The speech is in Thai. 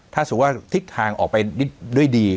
ถ้าสมมุติว่าทิศทางออกไปด้วยดี